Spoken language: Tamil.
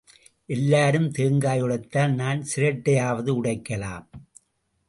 எல்லாரும் தேங்காய் உடைத்தால் நான் சிரட்டையாவது உடைக்கலாம்.